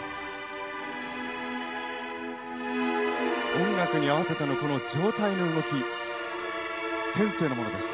音楽に合わせてのこの上体の動き天性のものです。